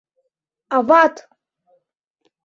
Ават...»